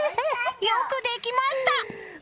よくできました！